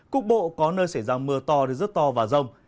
cục bộ có nơi xảy ra mưa to đến rất to và rông